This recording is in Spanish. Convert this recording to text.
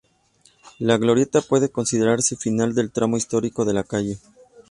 La glorieta puede considerarse final del tramo histórico de la calle.